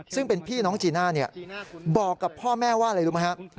ซึ่งเป็นพี่น้องจีน่าบอกกับพ่อแม่ว่าอะไรรู้ไหมครับ